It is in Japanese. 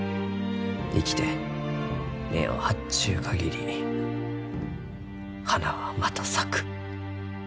生きて根を張っちゅう限り花はまた咲く。